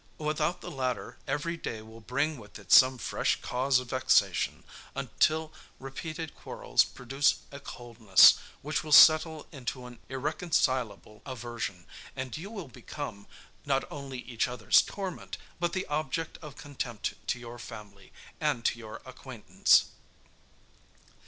Without the latter, every day will bring with it some fresh cause of vexation, until repeated quarrels produce a coldness, which will settle into an irreconcilable aversion, and you will become, not only each other's torment, but the object of contempt to your family, and to your acquaintance.